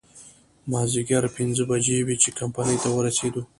مازديګر پينځه بجې وې چې کمپنۍ ته ورسېدو.